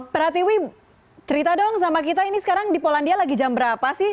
pratiwi cerita dong sama kita ini sekarang di polandia lagi jam berapa sih